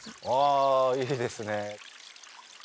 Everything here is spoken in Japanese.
あいいですね。